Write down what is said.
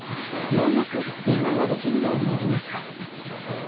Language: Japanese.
ようやく電話ができるようになりました。